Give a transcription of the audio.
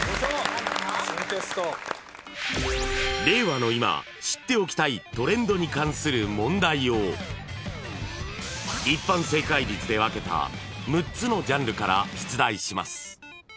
［令和の今知っておきたいトレンドに関する問題を一般正解率で分けた６つのジャンルから出題します］